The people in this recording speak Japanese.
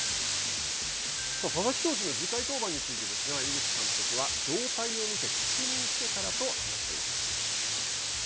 佐々木投手の次回登板について井口監督は状態を見て確認してからと話していました。